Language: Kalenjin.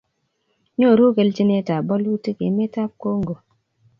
nyoru kelchinetab bolutik emetab Kongo